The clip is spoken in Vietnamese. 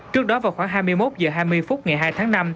trước đó vào khoảng hai mươi một h hai mươi phút ngày hai tháng năm